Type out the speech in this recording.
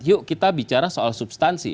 yuk kita bicara soal substansi